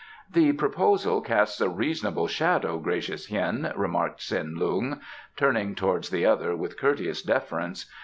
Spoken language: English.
"The proposal casts a reasonable shadow, gracious Hien," remarked Tsin Lung, turning towards the other with courteous deference.